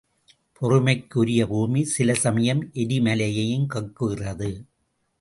பொறுமைக்கு உரிய பூமி சில சமயம் எரிமலையையும் கக்குகிறது.